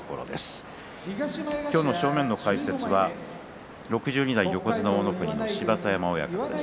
今日の正面の解説は６２代横綱大乃国の芝田山親方です。